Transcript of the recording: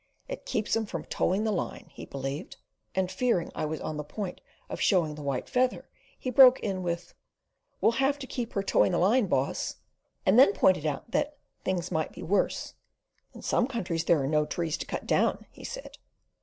"It keeps 'em from toeing the line" he believed; and fearing I was on the point of showing the white feather he broke in with: "We'll have to keep her toeing the line, Boss," and then pointed out that "things might be worse." "In some countries there are no trees to cut down," he said.